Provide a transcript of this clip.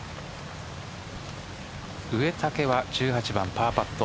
植竹は１８番パーパット。